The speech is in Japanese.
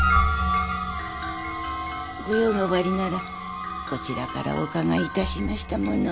ご用がおありならこちらからお伺い致しましたものを。